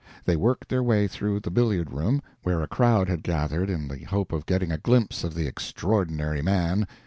They worked their way through the billiard room, where a crowd had gathered in the hope of getting a glimpse of the Extraordinary Man.